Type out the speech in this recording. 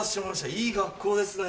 いい学校ですね。